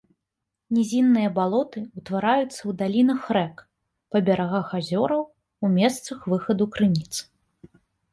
Нізінныя балоты ўтвараюцца ў далінах рэк, па берагах азёраў, у месцах выхаду крыніц.